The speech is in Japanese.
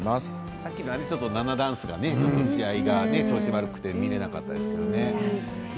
さっきナナダンスが試合、調子が悪くて見られなかったですけれどもね。